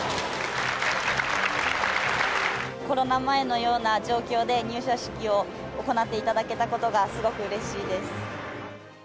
コロナ前のような状況で、入社式を行っていただけたことが、すごくうれしいです。